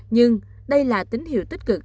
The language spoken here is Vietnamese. nhưng đây là tín hiệu tích cực